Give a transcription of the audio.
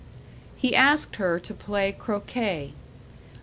He asked her to play croquet.